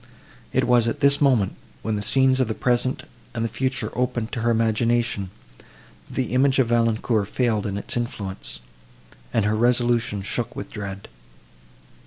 It was at this moment, when the scenes of the present and the future opened to her imagination, that the image of Valancourt failed in its influence, and her resolution shook with dread.